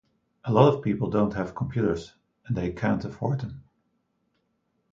A lot of people don't have computers, and they can't afford them.